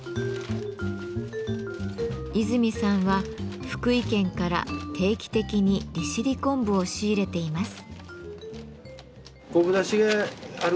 泉さんは福井県から定期的に利尻昆布を仕入れています。